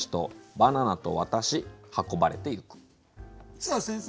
さあ先生